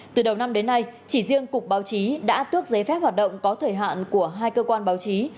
từ đầu năm đến nay chỉ riêng cục báo chí đã tước giấy phép hoạt động có thời hạn của hai cơ quan báo chí